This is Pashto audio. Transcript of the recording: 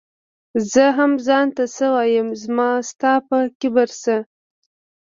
زۀ هم ځان ته څۀ وايم زما ستا پۀ کبر څۀ